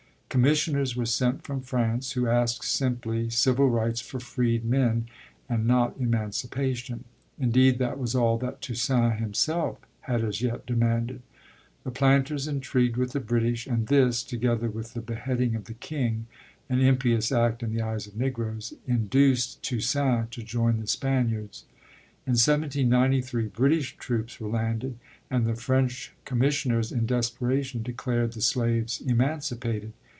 Commissioners were sent from France, who asked simply civil rights for freedmen, and not emancipation. Indeed that was all that Toussaint himself had as yet demanded. The planters intrigued with the British and this, together with the beheading of the king (an impious act in the eyes of Negroes), induced Toussaint to join the Spaniards. In 1793 British troops were landed and the French commissioners in desperation declared the slaves emancipated.